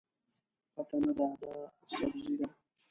پته نه ده، دا سبزي ده.